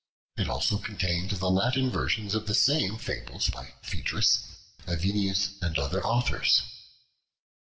It also contained the Latin versions of the same fables by Phaedrus, Avienus, and other authors.